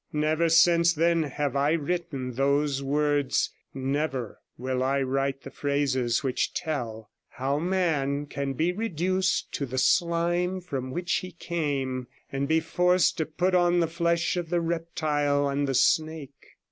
Never since then have I written those words; never will I write the phrases which tell how man can be reduced to the slime from which he came, and be forced to put on the flesh of the reptile and the snake.